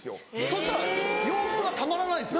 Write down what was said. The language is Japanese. そしたら洋服がたまらないんですよね。